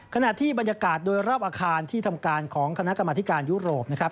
ขณะที่บรรยากาศโดยรอบอาคารที่ทำการของคณะกรรมธิการยุโรปนะครับ